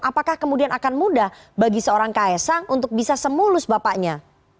apakah kemudian akan mudah bagi seorang ks sang untuk bisa semulus bapaknya